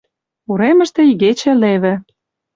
Уремыште игече леве.